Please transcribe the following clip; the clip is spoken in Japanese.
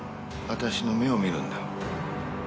私の目を見るんだ。